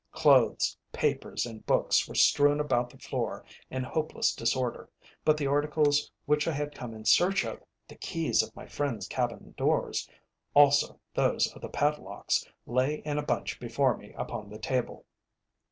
Clothes, papers, and books were strewn about the floor in hopeless disorder, but the articles which I had come in search of, the keys of my friends' cabin doors, also those of the padlocks, lay in a bunch before me upon the table.